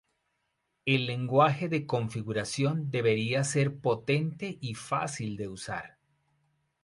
El lenguaje de configuración debería ser potente y fácil de usar.